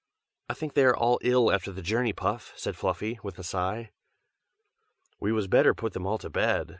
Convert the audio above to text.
"I think they are all ill after the journey, Puff!" said Fluffy, with a sigh. "We was better put them all to bed.